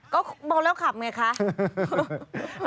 ก็เมาแล้วขับไงคะ